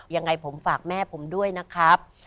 ยังไงผมฝากแม่ผมด้วยนะครับ